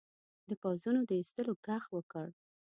د پوځونو د ایستلو ږغ وکړ.